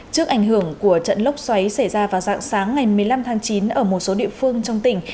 trước ảnh hưởng của trận lốc xoáy xảy ra vào dạng sáng ngày một mươi năm tháng chín ở một số địa phương trong tỉnh